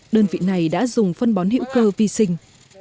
đơn vị này đã dùng phân bón hữu cơ vi sinh